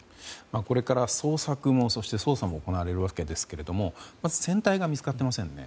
これから捜索もそして捜査も行われるわけですが船体が見つかっていませんよね。